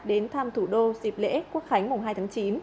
đến thăm thủ đô dịp lễ quốc khánh mùng hai tháng chín